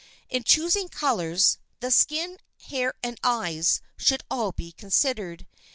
In choosing colors, the skin, hair and eyes should all be considered.